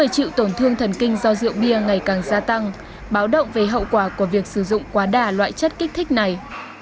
chịu tổn thương thần kinh do rượu bia ngày càng gia tăng báo động về hậu quả của việc sử dụng quá đà loại chất kích thích này